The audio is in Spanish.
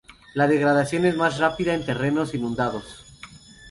La degradación es más rápida en terrenos inundados.